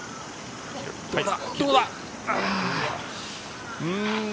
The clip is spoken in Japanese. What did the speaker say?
どうだ？